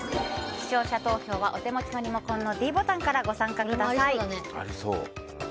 視聴者投票はお手持ちのリモコンのｄボタンからご参加ください。